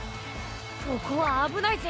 ここはあぶないぜよ。